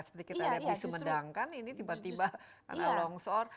seperti kita lihat di sumedang kan ini tiba tiba karena longsor